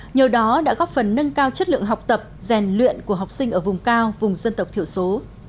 nhờ đó đã góp phần nâng cao chất lượng học tập rèn luyện của học sinh ở vùng cao vùng dân tộc thiểu số